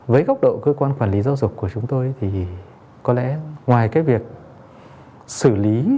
với góc độ cơ quan quản lý giáo dục của chúng tôi thì có lẽ ngoài cái việc xử lý